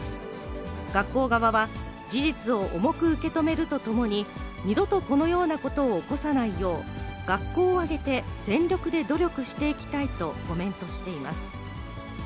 学校側は、事実を重く受け止めるとともに、二度とこのようなことを起こさないよう、学校を挙げて全力で努力していきたいとコメントしています。